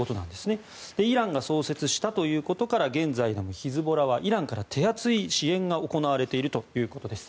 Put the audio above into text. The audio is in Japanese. イランが創設したということから現在でもヒズボラはイランから手厚い支援が行われているということです。